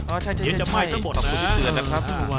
เย็นจะไหม้ซะหมดนะ